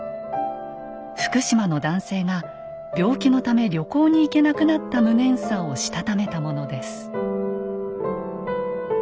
福島の男性が病気のため旅行に行けなくなった無念さをしたためたものです。